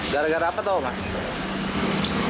gara gara apa tau mas